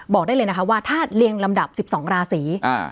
บอกได้เลยนะคะว่าถ้าเรียงลำดับ๑๒ราศี